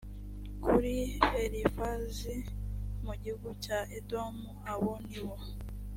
kuri elifazi mu gihugu cya edomu abo ni bo